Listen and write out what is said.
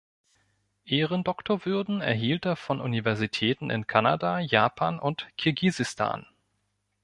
Ehrendoktorwürden erhielt er von Universitäten in Kanada, Japan und Kirgisistan.